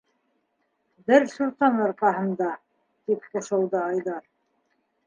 - Бер суртан арҡаһында... - тип ҡушылды Айҙар.